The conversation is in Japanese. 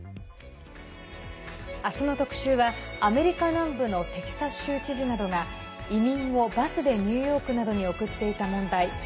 明日の特集は、アメリカ南部のテキサス州知事などが移民をバスでニューヨークなどに送っていた問題。